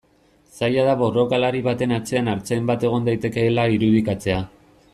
Zaila da borrokalari baten atzean artzain bat egon daitekeela irudikatzea.